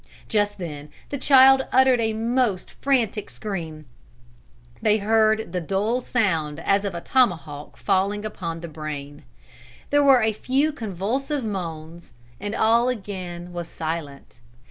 Just then the child uttered a most frantic scream. They heard the dull sound as of a tomahawk falling upon the brain. There were a few convulsive moans, and all again was silent.